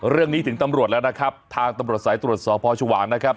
เรื่องนี้ถึงตำรวจแล้วนะครับทางตำรวจสายตรวจสอบพอชวางนะครับ